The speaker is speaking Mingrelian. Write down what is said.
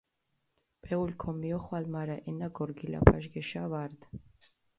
პეულქ ქომიოხვალჷ, მარა ენა გორგილაფაშ გეშა ვარდჷ.